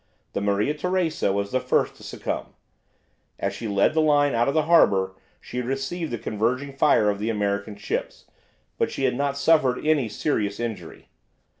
The "Maria Teresa" was the first to succumb. As she led the line out of the harbour she had received the converging fire of the American ships, but she had not suffered any serious injury.